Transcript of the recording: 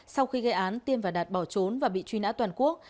sau khi gây án tiên và đạt bỏ trốn và bị truy nã toàn quốc